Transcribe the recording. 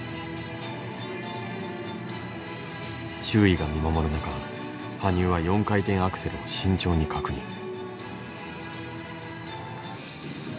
周囲が見守る中羽生は４回転アクセルを慎重に確認。